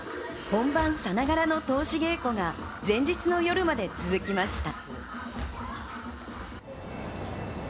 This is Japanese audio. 本番さながらの通し稽古が前日の夜まで続きました。